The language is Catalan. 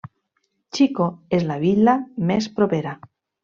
Chico és la vila més propera.